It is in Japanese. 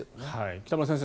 北村先生